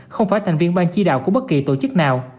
không phải thành viên ban chi đạo của bất kỳ tổ chức nào